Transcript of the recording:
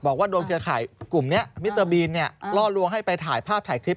บอกว่าโดนเครือข่ายกลุ่มนี้มิเตอร์บีนล่อลวงให้ไปถ่ายภาพถ่ายคลิป